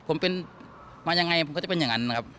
ผมเป็นมายังไงผมก็จะเป็นอย่างนั้นนะครับ